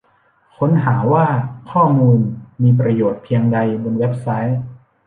ค้นหาว่าข้อมูลมีประโยชน์เพียงใดบนเว็บไซต์